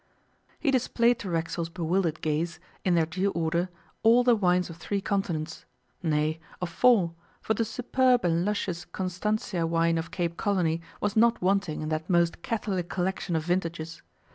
He displayed to Racksole's bewildered gaze, in their due order, all the wines of three continents nay, of four, for the superb and luscious Constantia wine of Cape Colony was not wanting in that most catholic collection of vintages.